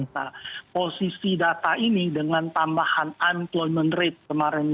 nah posisi data ini dengan tambahan unployment rate kemarin